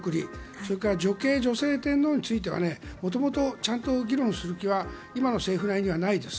それから女性・女系天皇については元々、ちゃんと議論する気は今の政府内にはないです。